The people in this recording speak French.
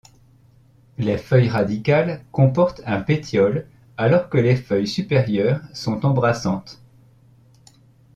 Les feuilles radicales comportent un pétiole alors que les feuilles supérieures sont embrassantes.